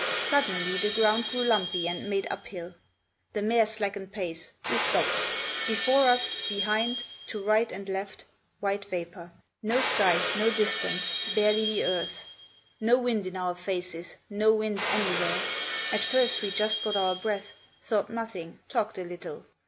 Suddenly the ground grew lumpy and made up hill. The mare slackened pace; we stopped. Before us, behind, to right and left, white vapour. No sky, no distance, barely the earth. No wind in our faces, no wind anywhere. At first we just got our breath, thought nothing, talked a little.